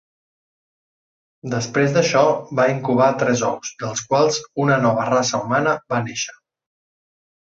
Després d'això, va incubar tres ous dels quals una nova raça humana va néixer.